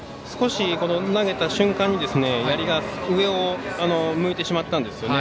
投げた瞬間に、やりが上を向いてしまったんですね。